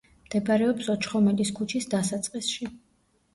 მდებარეობს ოჩხომელის ქუჩის დასაწყისში.